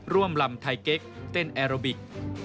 ร่วมลำไทเก๊กเต้นแอโรบิก